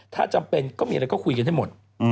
ถ้าจำเป็นก็มีอะไรก็คุยกันให้หมด